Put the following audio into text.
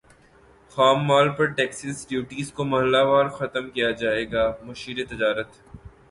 خام مال پر ٹیکسز ڈیوٹیز کو مرحلہ وار ختم کیا جائے گا مشیر تجارت